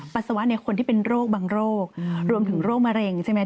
ปัสสาวะเนี่ยคนที่เป็นโรคบางโรครวมถึงโรคมะเร็งใช่ไหม